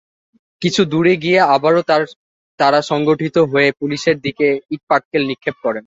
কিছু দূরে গিয়ে আবারও তাঁরা সংগঠিত হয়ে পুলিশের দিকে ইটপাটকেল নিক্ষেপ করেন।